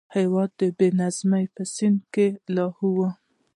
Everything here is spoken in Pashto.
هېواد د بې نظمۍ په سین کې لاهو و.